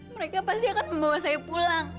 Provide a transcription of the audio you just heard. mereka pasti akan membawa saya pulang